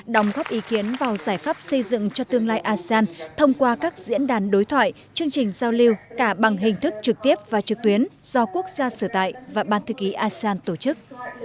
đồng góp ý kiến vào giải pháp xây dựng cho tương lai asean thông qua các diễn đàn đối thoại chương trình giao lưu cả bằng hình thức trực tiếp và trực tuyến do quốc gia sửa tại và ban thư ký asean tổ chức